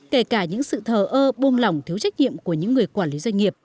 kể cả những sự thờ ơ buông lỏng thiếu trách nhiệm của những người quản lý doanh nghiệp